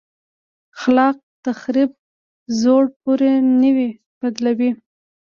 خلاق تخریب زوړ پر نوي بدلوي.